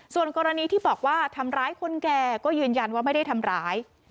ส่วนกรณีที่บอกว่าทำร้ายคนแก่ก็ยืนยันว่าไม่ได้ทำร้าย